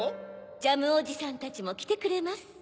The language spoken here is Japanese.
ジャムおじさんたちもきてくれます。